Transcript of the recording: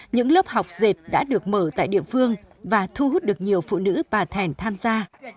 những lớp học dệt đã được mở tại địa phương và thu hút được nhiều phụ nữ bà thẻn tham gia